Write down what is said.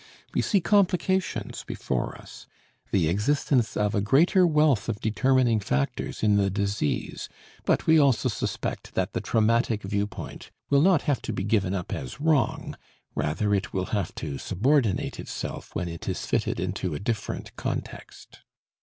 We see complications before us, the existence of a greater wealth of determining factors in the disease, but we also suspect that the traumatic viewpoint will not have to be given up as wrong; rather it will have to subordinate itself when it is fitted into a different context.